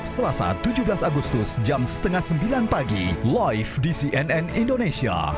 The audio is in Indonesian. selasa tujuh belas agustus jam setengah sembilan pagi live di cnn indonesia